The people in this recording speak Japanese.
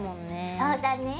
そうだね。